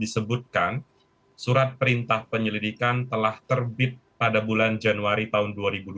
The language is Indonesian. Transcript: disebutkan surat perintah penyelidikan telah terbit pada bulan januari tahun dua ribu dua puluh